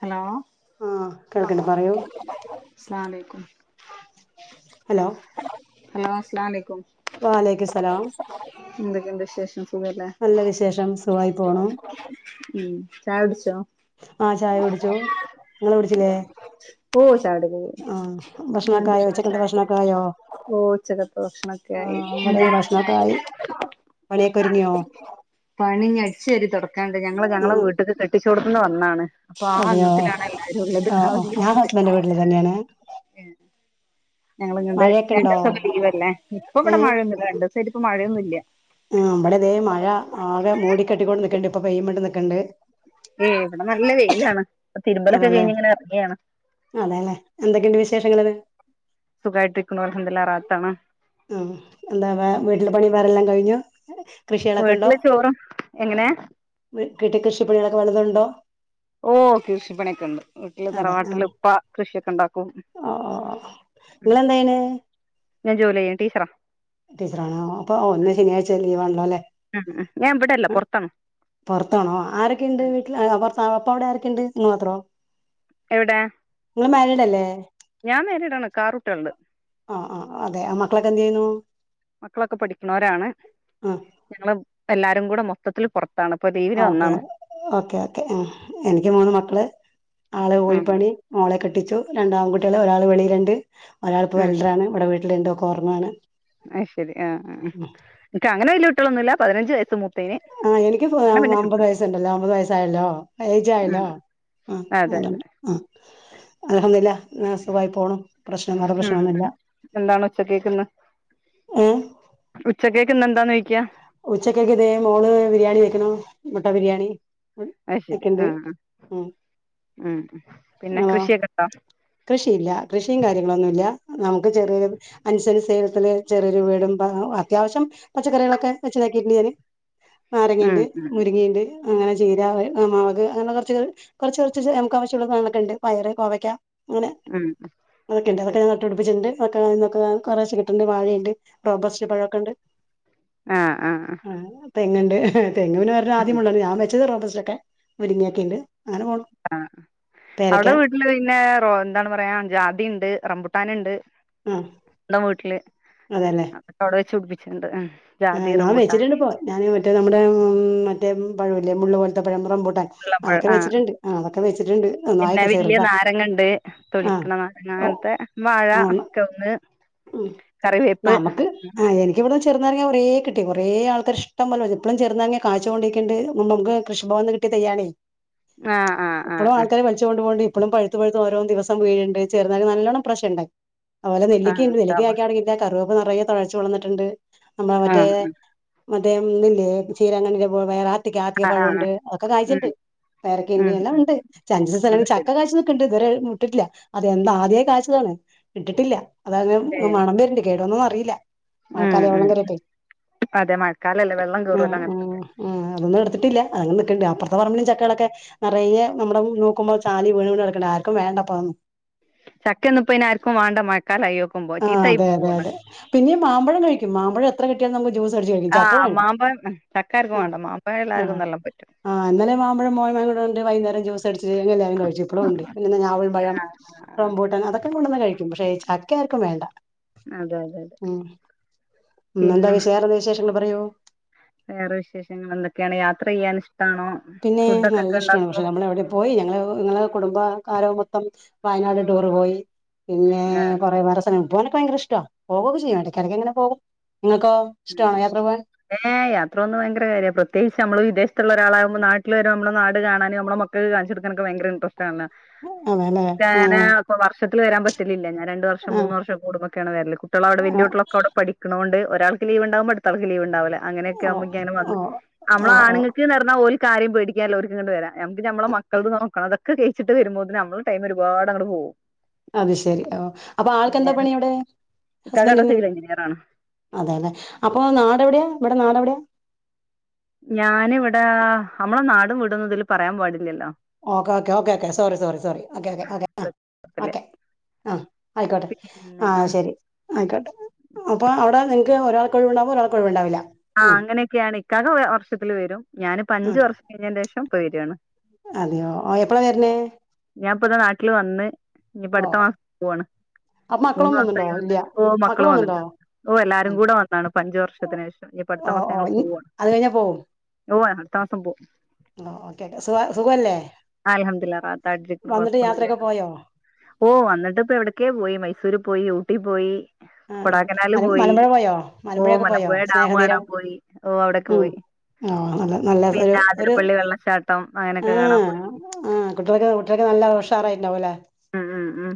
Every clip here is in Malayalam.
ഹലോ ആഹ് കേൾക്ക്ണ്ട് പറയൂ. അസ്സലാമു അലൈക്കും ഹലോ, ഹലോ അസ്സലാമുഅലൈക്കും വാലൈക്കും സലാം എന്തൊക്കെണ്ട് വിശേഷം സുഖല്ലേ നല്ല വിശേഷം സുഖായി പോണു ഉം ചായ കുടിച്ചോ? ആഹ് ചായ കുടിച്ചു ഇങ്ങള് കുടിച്ചില്ലേ? ഓഹ് ചായ കുടി ഒക്കെ കഴിഞ്ഞു ആഹ് ഉം ഭക്ഷണൊക്കെ ആയോ ഉച്ചക്കത്തെ ഭക്ഷണൊക്കെ ആയോ ഓഹ് ഉച്ചക്കത്തെ ഭക്ഷണൊക്കെ ആയി [unintelligible] പണിയൊക്കൊരിങ്ങ്യോ പണി ഇനി അടിച്ചുവാരി തൊടക്കാണ്ട് ഞങ്ങള് ആഹ് ഞങ്ങളെ വീട്ട്ക്ക് കെട്ടിച്ചോടത്ത്ന്ന് വന്നാണ്. അപ്പൊ ആ അതെയോ എണ്ണത്തിലാണ് എല്ലാവരും ഉള്ളത് ആഹ് ആഹ് [unintelligible] ഞാൻ ഇന്റെ വീട്ടില് തന്നെയാണ്. ഞങ്ങളിങ്ങണ്ട് മഴയൊക്കെ രണ്ടു ഉണ്ടോ ദിവസം ഓക്ക് ലീവല്ലേ ഇപ്പൊ ഇവിടെ ഏഹ് മഴൊന്നുല്ല രണ്ട് ദിവസായിട്ട് ഇപ്പ മഴയൊന്നും ഇല്ല ആഹ് ഇബടെ ഇതേ മഴ ആകെ മൂടിക്കെട്ടിക്കൊണ്ട് നിക്കണ്ട് ഇപ്പൊ പെയും [unintelligible] നിക്കണ്ട് ഏഹ് ഇവിടെ നല്ല വെയിലാണ് ഇപ്പൊ തിരുമ്പലൊക്കെ കഴിഞ്ഞ്ങ്ങനെ [unintelligible] അതേല്ലെ എന്തൊക്കെയുണ്ട് വിശേഷങ്ങളത് സുഖായിട്ട് നിക്കുണു അൽഹംദുലില്ലാഹ് റാഹത്താണ് ഉം എന്താ വെ വീട്ടിലെ പണി വേറെല്ലാം കഴിഞ്ഞു കൃഷികളൊക്കെ ണ്ടോ വീട്ടില് ചോറും എങ്ങനെ വിട്ടി കൃഷിപ്പണികളൊക്കെ വലതു ണ്ടോ ഓഹ് കൃഷിപ്പണിയൊക്കെ ഇണ്ട് വീട്ടില് തറവാട്ടില് ഇപ്പ കൃഷിയൊക്കെ ഇണ്ടാക്കും. ഓഹ് ഓഫ് ന ഇങ്ങള് എന്താ ചെയ്യണേ? ആഹ് ഞാൻ ജോലി ചെയ്യാ ടീച്ചറാ ടീച്ചറാണോ അപ്പൊ ഓ ഇന്ന് ശനിയാഴ്ച ലീവ് ആണല്ലോ ല്ലേ? ഉം ഞാൻ ഇവിടെല്ല പുറത്താണ് പൊറത്താണോ ആരൊക്കെയുണ്ട് വീട്ടില് ആഹ് പൊറത്ത് അപ്പ അവിടെ ആരൊക്കെയുണ്ട് നിങ്ങള് മാത്രോ? എവിടെ നിങ്ങൾ മാരീഡ് അല്ലേ ഞാൻ മാരീഡ് ആണ് ഇൻക്ക് ആറു കുട്ടികൾ ഇണ്ട് ആഹ് ആഹ് അതെ ആ മക്കളൊക്കെ എന്തു ചെയ്യുന്നു? മക്കളൊക്കെ പഠിക്കുണോരാണ് ആ ഞങ്ങള് എല്ലാരും കൂടെ മൊത്തത്തിൽ പൊറത്ത് ആഹ് ഓക്കെ ഓക്കെ ഓക്കേ ആഹ് എനിക്ക് മൂന്ന് മക്കള് ആള് ഉം കൂലിപ്പണി മോളെ കെട്ടിച്ചു രണ്ടാൺകുട്ടിയേള് ഒരാള് വെളിയിൽ ഇണ്ട് ഒരാള് ഇപ്പൊ വെൽഡറാണ് ഇവിടെ വീട്ടിൽ ഇണ്ട് ഒക്കെ ഒറങ്ങാണ് അയ് ശരി ആഹ് ആഹ് ഇൻക്ക് അങ്ങനെ വെല്ല്യ കുട്ടികൾ ഒന്നും ഇല്ല പതിനഞ്ച് വയസ്സ് മൂത്തേന് ആഹ് എനിക്ക് ഇപ്പോ അങ്ങനെ പിന്നെ അമ്പത് ചുട്ടത് വയസ്സുണ്ടല്ലോ അമ്പത് വയസ്സായല്ലോ ഉം ഏജായല്ലോ. ആഹ് അതെ ഏർ അതെ ആഹ്. അല്ഹംദു ലിലാ അങ്ങനെ സുഖായി പോണൂ പ്രശ്നം വേറെ ഉം പ്രശ്നൊന്നുല്ല എന്താണ് ഉച്ചക്കേക്കിന്ന്? ഏഹ് ഉച്ചക്കേക്ക് ഇന്ന് എന്താ ചോയിക്ക്യാ. ഉച്ചക്കേക്ക് ഇതേ മോള് ബിരിയാണി വെക്കണു മുട്ട ബിരിയാണി. ഉം അത് ശരി ആയിക്കണ്ട് ആ ആ ഉം ഉം പിന്നെ ഇങ്ങളോ കൃഷിയക്കെണ്ടോ? കൃഷിയില്ല കൃഷിയും കാര്യങ്ങളൊന്നുല്ല നമുക്ക് ചെറിയൊരു അഞ്ചു സെന്റ് സെ ചെറിയെ ചെറിയൊരു വീടും അത്യാവശം പച്ചക്കറികളൊക്കെ വെച്ചതാക്കിയിട്ടുണ്ട് ഞാന്. ഉം നാരങ്ങയിണ്ട് ഉം മുരിങ്ങയിണ്ട്. അങ്ങനെ ചീര മാവക് അങ്ങനെ കുറച്ച് കുറച്ച് കുറച്ച് നമുക്ക് ആവശ്യമുള്ള സാധങ്ങളൊക്കെ ഉണ്ട് പയറ് കോവയ്ക്ക ങ്ങനെ ഉം അത് അതൊക്കെണ്ട് അതൊക്കെ ശരി ഞാൻ നട്ട് പിടിപ്പിച്ചിട്ട്ണ്ട്? ന്നൊക്കെ അയ്ന്നൊക്കെ കുറെശ്ശെ കിട്ട്ണ്ട് വാഴയ്ണ്ട് റോബർസ്റ്റ് പഴൊക്കണ്ട്. ആഹ് ആഹ് അഹ് തെങ്ങുണ്ട് തെങ്ങ് പിന്നെ [unintelligible] ആദ്യമുള്ളതാ ഞാൻ വെച്ചത് റോബസ്റ്റൊക്കെ മുരിങ്ങാത്തിണ്ട്. ആ അവിടെ വീട്ടില് പിന്നെ റോ എന്താണ് പറയാ ജാതിണ്ട് റബുട്ടാന്ണ്ട്. ആഹ് ന്തം വീട്ടില്. അതൊക്കെ അവ്ടെ വെച്ചുടിപ്പിച്ചിട്ട്ണ്ട്. ആ ഞാൻ വെച്ചിട്ട്ണ്ട് പ്പൊ. ഞാന് മറ്റേ നമ്മടെ മ് മറ്റേ പഴവില്ലേ മുള്ള് പോല്ത്തെ പഴ റംബുട്ടാൻ കുളമ്പഴം അതൊക്കെ ആ വെച്ചിട്ടുണ്ട് അതൊക്കെ വെച്ചിട്ടുണ്ട് ന്നു പിന്നെ ആയില്ല ചെറുതാ ആഹ് ന്നെ ഓഹ് അങ്ങൻത്തെ വാഴ ഓഹ് കവുങ് ഉം നമക്ക് ആ എനിക്ക്വ്ട ചെറുനാ രങ്ങ കൊറേ കിട്ടി. കൊറേ ആൾക്കാർ ഇഷ്ടമ്പോലെ വരും ഇപ്പളും ചെറുനാരങ്ങ കായ്ച്ചു കൊണ്ടിരിക്ണ്ട് നമുക്ക് കൃഷിഭവൻന്ന് കിട്ടിയ തയ്യാണേ. ആ ആ ആ ഇപ്പളും ആ ആൾക്കാര് വലിച്ചൊണ്ടു. [unintelligible] ഇപ്പളും പഴുത്ത് പഴുത്ത് ഓരോ ദിവസം വീഴണ്ട് ചെർനാരങ്ങ നല്ലോണം പ്രാശ്യണ്ടായി. അപോലെ ആ നെല്ലിക്കയിണ്ട് നെല്ലിക്ക മാഷാഅള്ളാ കായിക്കാറില്ല കറിവേപ്പ് നറയെ തഴച്ചുളർന്നിട്ടുണ്ട്. നമ്മളെ ആ മറ്റേ മറ്റേ ഒന്നില്ലേ ചീരാകണ്ണിനെ പോല വേറ ത്തിക്ക [unintelligible] ആ ആ പഴണ്ട് അതൊക്കെ ഉം കാഴ്ച്ചിണ്ട്. പേരക്കയിണ്ട് ഉം എല്ലാം ഉം ഇണ്ട് ഇച്ചഞ്ച് സ്ഥല അത് ചക്ക ശരി കായ്‌ച്ച് നിക്ക്ണ്ട് ഇതരെ മുട്ടിട്ടില്ല അതയോന്ന് ആദ്യ കാഴ്ച്ചതാണ് ഇട്ടിട്ടില്ല അത് അ മണം വരുണ്ട് കേടൊന്നോന്നർ ആഹ് [unintelligible] കേറീട്ടെ വെള്ളം ആഹ് കേറുവല്ലോ ആഹ് അങ്ങനത്തൊക്കെ ആഹ് അതൊന്നെടുത്തിട്ടില്ല അ ണ്ട് അപ്പർത്തെ പറമ്പിലും ചക്കകളൊക്കെ നറയെ നമ്മടെ നോക്കുമ്പോ ചാല് വീണ് വീണ് കെട്ക്കിണ്ട് ആർക്കും വേണ്ടപ്പോ അതൊന്നും ചക്ക ഒന്നും ഇപ്പോ ഇനി ആർക്കും വാണ്ട മഴക്കാലായോക്കുമ്പോ ആഹ് ചീത്തായി അതെ അതെ പോവാണ്. അതെ. പിന്നെ മാമ്പഴം കഴിക്കും. മാമ്പഴം എത്ര കിട്ടിയാലു നമ്മ ജൂസ് ആഹ് മാമ്പഴം ചക്കാർക്കും ആഹ് വാണ്ട മാമ്പഴം എല്ലാർക്കും ആഹ് നല്ലാം പറ്റും. ആഹ് ഇന്നലെ മാമ്പഴ മോ [unintelligible] ഉണ്ട് വൈന്നേരം ജൂസടിച്ച് ഞങ്ങല്ലാരും കഴിച് ഇപ്പളുണ്ട് ന്നിട്ട് ഞാവൽ പഴം ആഹ് ആഹ് റംബൂട്ടാൻ അതൊക്കെ കൊണ്ടന്ന് കഴിക്കും. പശേ ചക്കയാര്ക്കും വേണ്ട. അതെ അതെ. ന്ന് എന്താ പിന്നെ വിശാ വിശേഷങ്ങൾ പറയൂ. വേറെ വിശേഷങ്ങളെന്തൊക്കെയാണ്? യാത്രെയ്യാന് ഇഷ് പിന്നെ നല്ല ഇഷ്ടാണ്. പഷേ നമ്മള വിടെ പോയി ഞങ്ങള് ഇങ്ങളെ കുടുംബ ക്കാരോ മൊത്തം വയനാട് ടൂറ് പോയി. പിന്നെ ആഹ് കൊറെ വേറെ സെല പോ ഭയങ്കരഷ്ട പോകൊക്കെ ചെയ്യും. എടക്കടക്ക് ങ്ങനെ പോകും. നിങ്ങക്കോ ഉം ഇഷ്ടാണോ യാത്ര പോവാൻ? ഏഹ് യാത്ര പോവ്ന്ന ഭയങ്കര കാര്യാ. പ്രത്യേകിച്ച് നമ്മള് വിദേശ ത്തുള്ളരാളാവുമ്പോ നാട്ടില് വരുമ്പള് നമ്മളെ നാട് കാണാന് നമ്മളെ മക്കൾക്കാണിച്ചെടുക്കാനൊക്കെ ഭയങ്കര ഇൻട്രെസ്റ്റ് ആണ്. അതെല്ലേ ക്കാന ആഹ് പ്പോ വർഷത്തിൽ വരാൻ പറ്റലില്ല. ഞാൻ രണ്ട് വർഷം, ആഹ് മൂന്ന് വർഷം കൂടുമ്പോക്കേണ് വരല്. കുട്ട്യാളവിടെ ആഹ് വല്യകു ക്കവ്ടെ പഠിക്ക്ണോണ്ട് ഒ ൽക്ക് ലീവ്ണ്ടാവ്മ്പോ അടുത്താൾക്ക് ലീവുണ്ടാവൂല. ഓ അങ്ങനെക്കാമ്പം ക്കങ്ങനെ വന്ന് ഓ അമ്മള ഓ ഓ ആണുങ്ങക്ക്ന്നർഞ്ഞ ഓൽ ക്കാരിം പേടിക്കാല്ല. ഓർക്ക്ങ്ങട്ട് വരാ നമ്മക്ക് നമ്മളെ മക്കൾത് നോക്കണം. അതൊക്കെ കഴിച്ചിട്ട് വരുമ്പോത്തിന് നമ്മള് ടൈം ഒരുപാടങ്ങട് പോവും. അത് ശെരി ഓഹ് അപ്പൊ ആൾക്കെന്താ പണി അവ്ടെ ഇക്കാക്കവിടെ ഹസ്ബൻ്റിന്? സിവിൽ എഞ്ചിനീയർ ആണ് അതേല്ലെ അപ്പൊ നാടെവ്ടെയാ ഇവടെ നാടെവ്ടെ? ഞാനിവിടെ നമ്മളെ നാടും വീടൊന്നും ഇതില് പറയാൻ പാടില്ലല്ലോ. Okay okay okay okay sorry sorry sorry okay ക്കെ ഓക്കെ അ ല്ല ഓക്കെ. ആഹ് ആയിക്കോട്ടെ പിന്നെ ആ ആഹ് ശരി ആയിക്കോട്ടെ അപ്പൊ അവ്ടെ നി ഒരാൾക്കൊഴിവുണ്ടാവുമ്പൊ ഒരാൾക്കൊഴിവ്ണ്ടാവൂല. ആഹ് അങ്ങനെയൊക്കെയാണ്. ഇക്കാക്ക വർഷത്തില് വരും. ഞാനിപ്പ അഞ്ചു ഉം വർഷം കഴിഞ്ഞേൻ്റേഷം പ്പൊ വരാണ്. അതെയോ ഓഹ് എപ്പളാ വര്ന് ഞാ ഇപ്പതാ നാട്ടില് വന്ന് ഇഞ്ഞിപ്പോ ഓ അടുത്ത മാസം പോവാണ്. അപ്പൊ മൂന്ന് മക്കളും വന്നുണ്ടോ മാസായി ഇല്ല വന്നിട്ട്. ഓഹ് മക്കള് മക്കളും വന്നുണ്ടോ വന്നിട്ടുണ്ട്. ഓഹ് എല്ലാരും ഉം കൂടെ വന്നാണ് പ്പഞ്ച് വർഷത്തിനു ശേഷം. ഇഞ്ഞ്പ്പൊ അടുത്ത ഓ മാസം ഓ ഞങ്ങള് ഇ- പോവാണ്. അത് കഴിഞ്ഞാ ഓഹ് അടുത്ത മാസം പോവും. ആ ഓക്കെക്കെ സുഖ സുഖല്ലേ? അലഹമ്മദ റാത്താട്ടിരിക്കുന്ന വന്നിട്ട് കൊഴപ്പൊന്നില്ല യാത്രയൊക്കെ പോയോ ഓഹ് വന്നിട്ട് ഇപ്പോ എവിടെക്കൊയോ പോയി മൈസൂർ പോയി ഊട്ടി പോയി ആഹ് ആഹ് കൊടാക്കനാല് മല പോയി മലമ്പുഴ പോയോ ഓഹ് മലമ്പുഴയൊക്കെ പോയോ മലമ്പുഴ ഡാമ് സ്നേഹതീരം കാണാൻ പോയി ഓഹ് അവിടെയൊക്ക ഉം പോയി ആഹ് നല്ല നല്ല ഒരു പിന്നെ ഒരു അതിരപ്പള്ളി വെള്ളച്ചാട്ടം അങ്ങനെയൊക്കെ കാണാൻ പോയി ആ കുട്ടികളോക്കെ കുട്ടികളോക്കെ നല്ല ഉഷാറായിട്ടു ഉണ്ടാവും അല്ലെ ആഹ് ആഹ് ആഹ്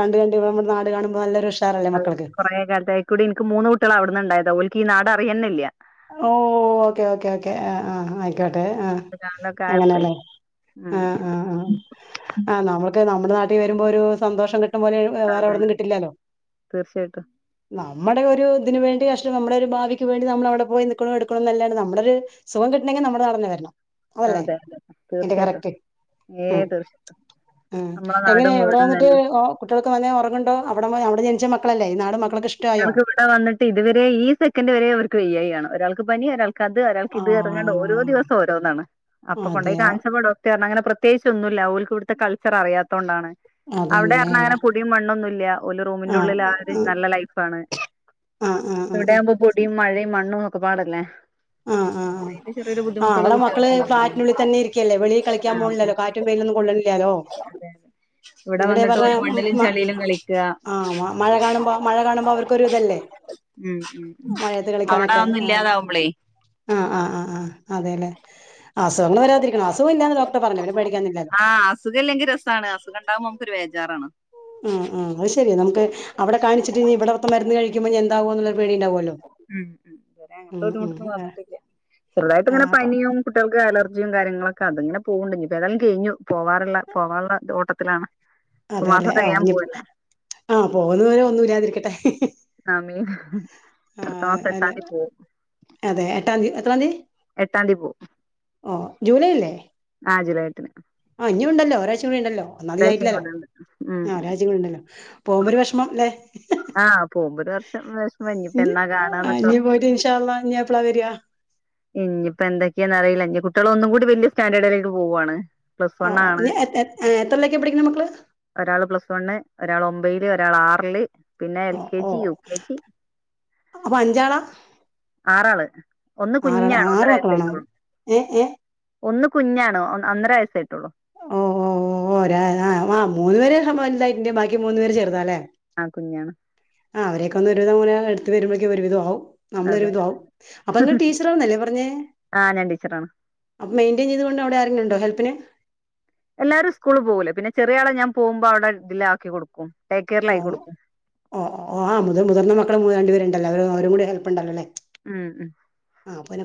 കണ്ട് കണ്ട് നമ്മടെ നാട് കാണുമ്പോ നല്ലൊരു ഇഷ്‌ - അതെ കുറെ കാലത്തായിക്കൂടി എനിക്ക് മൂന്ന് കുട്ടികള് അവിടുന്നുണ്ടായതാ ഓലക്ക് ഈ നാട് അറിയന്നില്യ ഓഹ് ഓക്കേ ഓക്കേ ഓക്കേ ആഹ് ആഹ് ട്ടെ ആഹ് അത് കാണലൊക്കെ ആയപ്പേ അങ്ങനെല്ലേ ഉം ആഹ് ആഹ് ആഹ് നമ്മക്ക് നാ - നമ്മുടെ നാട്ടിൽ വരുമ്പോ ഒരു സന്തോഷം കിട്ടുമ പോോലെ വേറെ അതെ അവിടെന്നും അതെ കിട്ടില്ലല്ലോ തീർച്ചയായിട്ടും നമ്മുടെ ഒരു ഇതിനന് വേണ്ടി കഷ്ടം നമ്മുടെ ഒരു ഭാവിക്ക് വേണ്ടി നമ്മളവിടെ പോയി നിൽക്കണം എടുക്കണണം എന്നല്ലാണ് നമ്മുടെ ഒരുരു സഖം കിട്ടണെങ്ക നമ്മ നടന്നു വരണം അല്ലേ അതെ അതെ എന്റെ തീർച്ചയായിട്ടും കറക്റ്റ് ഏ ഉം തീർച്ചയായിട്ടും നമ്മളെ എങ്ങനെ നാടും എവിടെ വീടും വന്നിട്ട് തന്നെ കുട്ടികൾക്ക് വന്ന ഉറങ്ങുണ്ടോ അവിടെ അവിടെ ജനിച്ച മക്കളല്ലേ നാട് മ ക്ക് ഇവിടെ വന്നിട്ട് ഇതുവരെ ഈ സെക്കൻഡ് വരെ അവർക്ക് ഐ ആ്യാണ് ഒരാൾക്ക് പനി ഒരാൾക്ക് അത് ഒരാൾ ഇത് ഇറങ്ങേണ്ട ഓരോ ആഹ് ദിവസ ഓോന്നാണ് അപ്പൊ കൊണ്ടോയി അതെയോ കാചപ്പ ഡോക്ടർങ്ങനെ പ്രത്യേകിച്ച ഒന്നുമല്ല അവർക്ക് ഇവിടുത്തെ കൾച്ചർ അറിയാത്തോൊണ്ടാണ് അവിടെ അതന്നെ പറഞ്ഞാ അങ്ങെൊടിയ മണ്ണൊന്നും നല്ലൊ ആഹ് ആഹ് ആഹ് ആഹ് മണ്ണും ഒക്കെ പാടല്ലേ ആഹ് ആഹ് ആഹ് ചെറിയൊരു ആഹ് ബുദ്ധിമുട്ടുള്ള അവിടെ മക്കള് കുട്ടികൾക്കണ്ട ഫ്ളാറ്റിനുള്ളിൽ ആ ന്നും കൊള്ളില്ലാലോ അതെ അതെ ഇവിടെ വന്നിട്ട് ഓല് മണ്ണിലും പറഞ്ഞ ചളിയിലും കളിക്കാ ആ മഴ കാണുമ്പോ മഴ കാണുമ്പോ അവർക്കൊ ഇതല്ലേ ഉം ഉം ഉം. മഴയത്ത് അവിടെ കളിക്കാനൊക്കെ അതൊന്നും ആ ഇല്ലാതാവുമ്പളേ ആഹ ആഹ് ആ് ആഹ് അതെല്ലെ അസുഖങ്ങ വരാതിരിക്കണം അസുഖ ആഹ് അസുഖല്ലെങ്കിൽ രസമാണ് അസുഖം ഉണ്ടാകുമോ നമുക്ക ഒരു വേജാറാണ് ഉം ഉം അത് ശരി നമുക്ക്വിടെ കാണിച്ചിട്ട് ഇ ഇവിടുത്തെ മരുന്ന് കഴിക്കുമ്പോ എന്താവോ എന്നുള്ളരു പേടിയ ഉണ്ടാവുമല്ലോ ഉം ഉം വരെ അങ്ങനത്തെ ബുദ്ധിമുട്ടന്ന് വന്നിട്ട ചെറുതായിട്ട ഇങ്ങനെ ആഹ് പനിയും കുട്ടികൾക്ക് അലർജിയും കാര്യങ്ങളൊക്കെ അത്ങ്ങനെ പോകണ്ട ഇപ്പപ്പോ ഏതായാലും കഴഞ്ഞു പോവാറുള്ള പോകാനുള്ള ഓട്ടത്തിലാണ് ഇപ്പൊ മാസം അതെല്ലേ ആഹ് തികയാൻ ഇനിപ്പോ പോവല്ലേ ആഹ് പോകുന്ന പോരെ ഒന്നുമല്ലാതിരിക്കട്ടെ ആ മീൻ മത്തമാ കെട്ടാണ്ടി പോകവും എത്രതി എട്ടാംതിയതി പോ ഓ ജൂലൈ അല്ലേ ആ ഇനി ഉണ്ടല്ലോ ഒരാഴ് മണി ഉണ്ടല്ലോ ഒന്നൽധിക ഒരാഴ്ചയും ആയിട്ടില്ലല്ലോ കൂടെ ഉണ്ട് ഉം ആഹ ഉം രാജ്യങ്ങളുണ്ടല്ലോ പോകുമ്പോ ഒരു വിഷമം അല്ലെ ആഹ് പോകുമ്പോ ഒരു വർഷം വഷം വഞ്ഞപ്പൊ എന്നാ ആഹ് കാണന്നൊക്കെ ഇഞ്ഞി പോയിട്ട് ഓത്തൊക്കാണ് ഇൻഷാ അള്ളാ ഇഞ്ഞി എപ്പളാ വരാ ഇനിപ്പോ എന്തൊക്കെയാന്ന് അറിയില്ല ഇനി കുട്ടികള ഒന്നും കൂടി വല്യ സ്റ്റാൻഡേർഡിലേട്ട് പോവയാണ് ഓ ഓ എത്രല്ല ഒക്കെ പിഠടിക്കണ മക്കള് ഒരാള് പ്ലസ് വണ് ഒരാൾ ഒമ്പല് ഒരാൾ ആറില് പിന്നെ എൽ ഓ കെ ഓ ജി യു കെ ജി അപ്പൊ അഞ്ചാളാ ആറൾ ഒന്ന് കുഞ്ഞ ആറാളാ ഒര ആറ് മക്കളാണോ ഏഹ് ഏഹ് വയസആയിട്ടുള്ളു കുഞ്ഞണോ അന്നര വയസ്സ ആായിട്ടുള്ളൂ ഓ ഓ ഓ ആഹ് മൂന്ന് പേരെ സായിന്റെ ബാക്കി മൂന്നു പേ ചേർതല്ലേ ആ കുഞ്ഞാണ് ആ അവരെയൊക്കെ ഒന്ന് ഒരുവിധം മൂന എടുത്ത വരുമ്പോഴേക്കും ഒരുവിധം ആവും നമ്മളൊ ഒരു അതെ വിധമാകവും അപ്പൊ നിങ്ങ ടീച്ചറ ആന്നല്ലേ പറഞ്ഞേ ആ ഞാൻ ടീച്ചറാണ് അപ്പൊ മെയിന്റ്റെയിൻ ചെയ്തൊണ്ട് അവിടെ ആരെങ്കിലും ഉണ്ടോ ഹെൽപ്പിന് എല്ലാരും സ്കൂള് പോകൂല പിന്നെ ചെറിയ ആളെ ഞാൻ പോകുമ്പോ അവിടെ ഇല ആക്കി കൊടുക്കും ടേക്ക് ഓ കെയറിലാക്കി കൊടുക്കും ഓ ഓ ആ മുതി മുതിർന്ന മക്കള മു രണ്ടു പേരുണ്ടല്ലോ അവര അവരും കൂടി ഹെൽപ്പ് ഉണ്ടല്ലോല്ലേ മ് മ്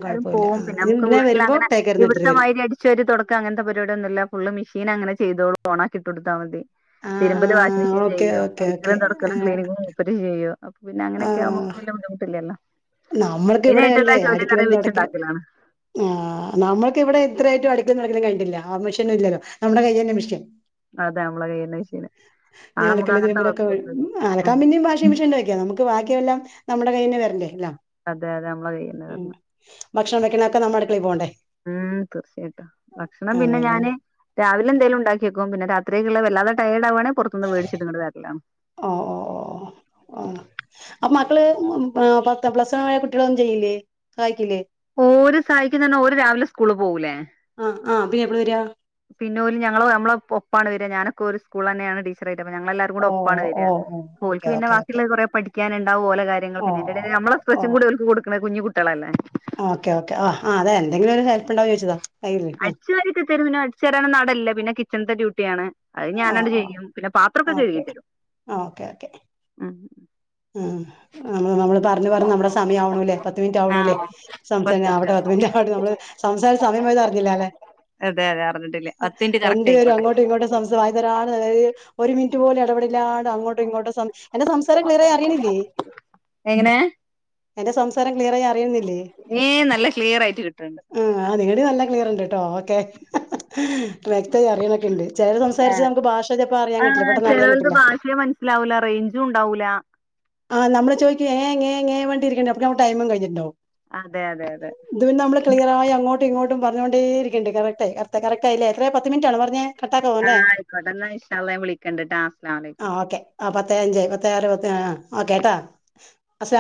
ആരും പോവും ആ പിന്നെ ഇനി നമുക്ക് വീട്ടിൽ വരുമ്പോ അങ്ങനെ ടേക്കറിന്ന് എടുത്തിട്ട് ഇവിടുത്തെ വരും മൈരി അടിച്ചു വരി തുടക്കം അങ്ങനത്തെ പരിപാടിൊന്നും ഇല്ല ഫുള് മിഷീ. ന ങ്ങനെ ചെയ്തോള ഓണാക്കിട്ടോടുതൽ മതീന്ന്. ആ തിരുമ്പല് വാഷിങ് മിഷീൻ ഓക്കെ ചെയ്യും ഓക്കെ ഓക്കെ അടിക്കലും തൊടക്കലും ക്ലീസ്നിങ്ങും മൂപര് ചെയ്യും അതൊക്ക പിന്നെ അങ്ങനെ ആ ഒക്കെ ആവുമ്പോൾ വല്ലാ ബുദ്ധിമുട്ടില്ലല്ലോ. നമ്മൾക്ക് മെയിനായിട്ടുള്ള ഇവിടെയല്ലേ ജോലി എന്ന് അടിക്കലും പറയുന്നത് തുടക്കലും. വെച്ചുണ്ടാക്കലാണ് ആ നമ്മൾക്ക് ഇവിടെ എത്രയായിട്ടും അടി - നട കഴിട്ടില്ല ആ മിഷ്യമില്ലല്ലോ മ്മടെ കയ്യന്നെ മിഷ്യൻ. അതെ ഞമ്മളെ കയ്യന്നെ മെഷീൻ. അലക്കലും തിരുമ്പാലും ഓക്കേ അലക്കാൻ ഉം പിന്നിം വാഷിങ് മെഷീൻ ഉപയോഗിക്കാം നമുക്ക്. ബാക്കിയെല്ലാം നമ്മുടെ കയ്യന്നെ വരണ്ടേ എല്ലാം. അതെ അതെ അമ്മ വീണ് ഉം പറഞ്ഞ് ഭക്ഷണം വെക്കാനൊക്കെ നമ്മള് അടുക്കളേൽ പോവണ്ടേ മഹ്മ്മ് തീർച്ചയായിട്ടും, ഭക്ഷണം പിന്നെ അതെല്ലേ ഞാന് രാവിലെന്തേലും ഇണ്ടാക്കിവെക്കും, പിന്നെ രാത്രിക്കെക്കുള്ളെ വല്ലാതെ ഡയേഡാവാണെ പുറത്തിന്ന് മേടിച്ചിങ്ങട്ട് വരലാ ഓഹ്, ഓഹ് ഓഹ് അപ്പൊ മക്കള് പത്ത് പ്ലസ്സണ്ണായ കുട്ടികളൊന്നും ചെയ്യില്ലേ സാഹായിക്കില്ലേ? ഓല് സഹായിക്കന്നന്നാ ഓര് രാവിലെ സ്കൂളിൽ പോവൂല്ലേ ആഹ് ആഹ്, പിന്നെ എപ്പളാ വരാ? പിന്നോല് ഞങ്ങള് നമ്മള് ഒപ്പാണ് വരാ, ഞാനൊക്കെ ഒരു സ്കൂളിലെന്നാണ് ടീച്ചറായി ട്ട്, അപ്പൊ ഞങ്ങളെല്ലാരും കൂടെ ഓ ഒപ്പാണ് വര. ഓ ഓ ഓല്ക്ക് ഓക്കെ പിന്നെ ഓക്കെ ഓക്കെ ബാക്കിയുള്ള കൊറേ പഠി ക്കാനുണ്ടാവും ഓലെ കാര്യങ്ങൾ, ഓ പിന്നെ ആയിന്റെടേല് ഞമ്മളെ പ്രെഷർ ഓൽക്ക്‌ കൊട്ക്ക്‌നെ കുഞ്ഞി കുട്ടികളല്ലെ ആഹ്, ഓക്കെ, ഓക്കെ ആഹ് അതെ എന്തെങ്കിലുമൊരു ഹെൽപ്പുണ്ടാവൊന്ന് ചോദിച്ചതാ കയ്യില് അടിച്ചു വരിയൊക്കെ തെരും, പിന്നെ അടിച്ചു വരാനൊന്നും അവിടെ ഇല്ല. പിന്നെ കിച്ചൺത്തെ ഡ്യൂട്ടി ആണ്. അത് ആ ഓ ഞാഞ്ഞാണ്ട് ചെയ്യും. പിന്നെ പത്രൊക്കെ ഓ കഴുകി ഓക്കെ തരും ഓക്കെ ഓക്കെ ആഹ്, ആഹ് ഞമ്മൾ പറഞ്ഞ് പറഞ്ഞ് ഞമ്മളെ സമയാവ്ണുല്ലേ? പത്തു മിനിറ്റ് ആവ്ണു ലെ ആഹ് സംസാരി [unintelligible] പത്ത് മിനിറ്റ് [unintelligible] ഞമ്മള് സംസാരിച്ച് സമയം പോയതറിഞ്ഞി ലല്ലേ, അതെ അതെ അറിഞ്ഞിട്ടില്ല പത്ത് മിനിറ്റ് രണ്ട് കറക്റ്റ് പേരും ആയിക്കോട്ടെ അങ്ങോട്ടും ഇങ്ങോട്ടും സംസരി വായി ഒരു മിനിറ്റ് പോലും ഇടവേടില്ലാതെ അങ്ങോട്ടും ഇങ്ങോട്ടും സംസാ അതിന് സംസാ [unintelligible] അറിയിനില്ലേ, എങ്ങനെ എന്റെ സംസാരം ക്ലിയറായി അറിയുന്നില്ലേ? ഏഹ് നല്ല ക്ലിയർ ആയിട്ട് കിട്ടണ്ട് ആഹ് ഇവിടെ നല്ല ക്ലിയറ്ണ്ട് ട്ടൊ ഓക്കെ. വ്യക്തയി അറിയ്നൊക്കെണ്ട്. ചേലോര് സംസാരിച്ചാ ഞമ്മക്ക് ഭാഷ ചെലപ്പോ അറിയാൻ കിട്ടില്ല പെട്ടന്ന് അറിയാൻ കിട്ടില്ല ല്ലാ ഉ ല്ലാ റൈഞ്ചും ഇണ്ടാ ആഹ് നമ്മള് ചോയ്ക്കും ങേ ങേ ങേ പറഞ്ഞിട്ടിരിക്ക്‌ണ്ടാവും അപ്പൊത്തിനെക്കും ഞമ്മളെ ടൈമും കഴിഞ്ഞിട്ടിണ്ടാവും. അതെ അതെ അതെ ഇത് പിന്നെ നമ്മള് ക്ലിയറായി അങ്ങോട്ടും ഇങ്ങോട്ട് പറഞ്ഞോണ്ടേരിക്ക്‌ണ്ട് കറക്റ്റായി. കറ കറക്റ്റായി ലെ, എത്രെ പത്തു മിനിറ്റാണോ പറഞ്ഞേ കട്ടാക്കാവോ അല്ലേ ആഹ് ആയിക്കോട്ടെ ഇന്നാ ഇന്ഷാ അളള ഞാൻ വിളിക്കണ്ട് ട്ടൊ അസ്സലാമു ആ അലൈകും ഓക്കെ ആ പത്തെ അഞ്ചായി പത്തേ ആറ് ആഹ് ഒക്കെ ട്ടൊ അസ്സലാമു